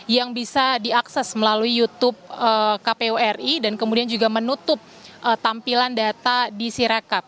yang bisa diakses melalui youtube kpu ri dan kemudian juga menutup tampilan data di sirakap